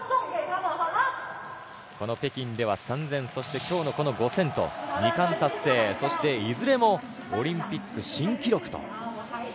この北京では３０００今日の５０００と２冠達成、そしていずれもオリンピック新記録と。